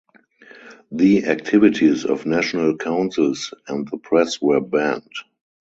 The activities of national councils and the press were banned.